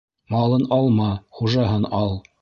Малын алма, хужаһын ал.